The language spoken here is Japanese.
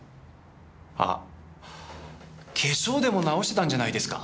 あ化粧でも直してたんじゃないですか。